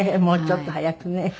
もうちょっと早くね。